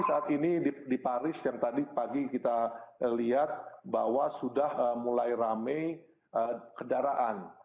saat ini di paris yang tadi pagi kita lihat bahwa sudah mulai rame kendaraan